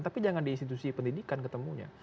tapi jangan di institusi pendidikan ketemunya